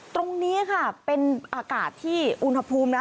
ตรงนี้ค่ะเป็นอากาศที่อุณหภูมินะ